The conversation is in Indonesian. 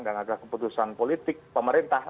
dan adalah keputusan politik pemerintah